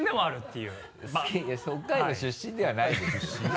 いやいや北海道出身ではないですよ。